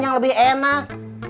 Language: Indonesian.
yang lebih enak